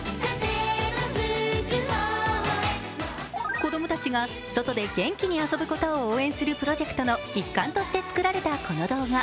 子供たちが外で元気で遊ぶことを応援するプロジェクトの一環として作られたこの動画。